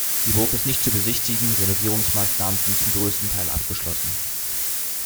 Die Burg ist nicht zu besichtigen, Renovierungsmaßnahmen sind zum größten Teil abgeschlossen.